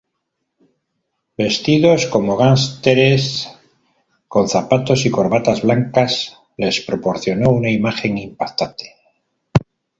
Vestidos como gánsteres, con zapatos y corbatas blancas, les proporcionó una imagen impactante.